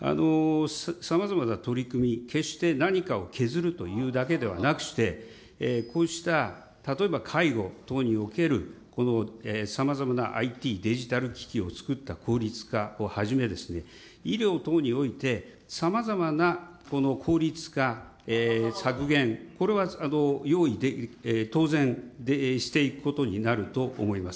さまざまな取り組み、決して何かを削るというだけではなくして、こうした例えば介護等における、このさまざまなＩＴデジタル機器を作った効率化をはじめ、医療等において、さまざまなこの効率化、削減、これは用意、当然、していくことになると思います。